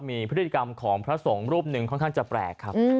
มีพฤติกรรมของพระสงฆ์รูปหนึ่งค่อนข้างจะแปลกครับ